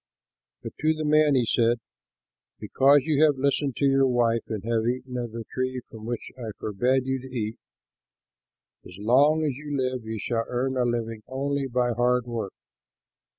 But to the man he said, "Because you have listened to your wife and have eaten of the tree from which I forbade you to eat, as long as you live you shall earn a living only by hard work.